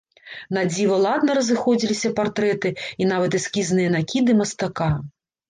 Надзіва ладна разыходзіліся партрэты і нават эскізныя накіды мастака.